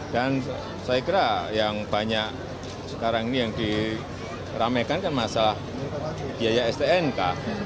dan saya kira yang banyak sekarang ini yang diramekan kan masalah biaya stnk